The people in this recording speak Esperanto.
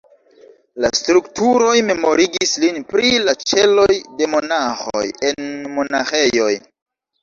La strukturoj memorigis lin pri la ĉeloj de monaĥoj en monaĥejoj.